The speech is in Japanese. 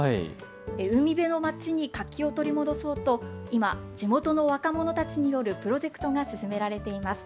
海辺の町に活気を取り戻そうと、今、地元の若者たちによるプロジェクトが進められています。